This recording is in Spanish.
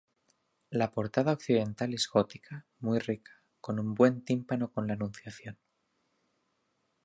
La portada occidental es gótica, muy rica, con un buen tímpano con la Anunciación.